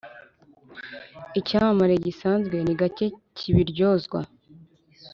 icyamamare gisanzwe ni gake kibiryozwa